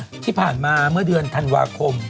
ที่ผ่านมาเมื่อเดือนธันวาคม